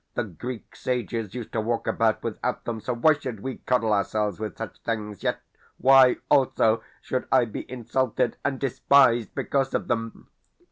The Greek sages used to walk about without them, so why should we coddle ourselves with such things? Yet why, also, should I be insulted and despised because of them?